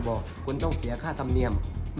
บอกคุณต้องเสียค่าธรรมเนียม